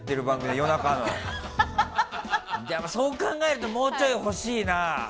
でも、そう考えるともうちょい欲しいな。